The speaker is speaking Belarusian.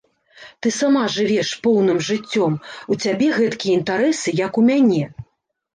Ты сама жывеш поўным жыццём, у цябе гэткія інтарэсы, як у мяне.